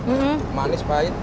rasanya khas kental manis pahit